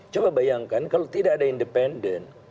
coba bayangkan kalau tidak ada independen